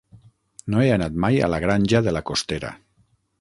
No he anat mai a la Granja de la Costera.